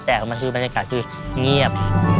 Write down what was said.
แต่มันคือบรรยากาศคือเงียบ